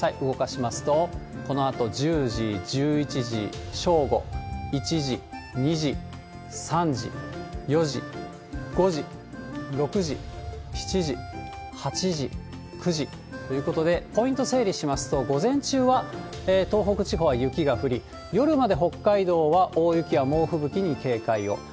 動かしますと、このあと１０時、１１時、正午、１時、２時、３時、４時、５時、６時、７時、８時、９時ということで、ポイント整理しますと、午前中は東北地方は雪が降り、夜まで北海道は大雪や猛吹雪に警戒を。